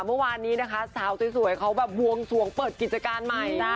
เมื่อวานนี้นะคะสาวสวยเขาแบบบวงสวงเปิดกิจการใหม่นะ